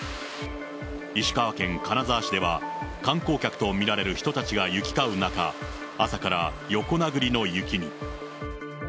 石川県金沢市では観光客と見られる人たちが行き交う中、朝から横殴りの雪に。